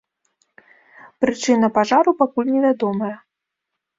Прычына пажару пакуль невядомая.